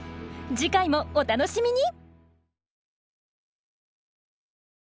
次回もお楽しみに！